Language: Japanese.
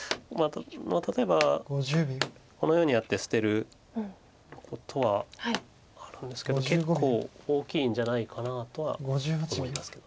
例えばこのようにやって捨てることはあるんですけど結構大きいんじゃないかなとは思いますけど。